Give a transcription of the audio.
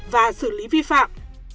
và xử lý vi phạm